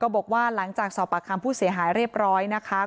บอกว่าหลังจากสอบปากคำผู้เสียหายเรียบร้อยนะคะ